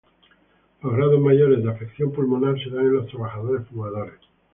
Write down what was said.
Los grados mayores de afección pulmonar se dan en los trabajadores fumadores.